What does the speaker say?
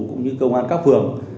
cũng như công an các phương